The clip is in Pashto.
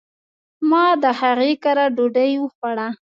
ما د هغي کره ډوډي وخوړه .